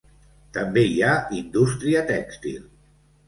També hi ha indústria tèxtil.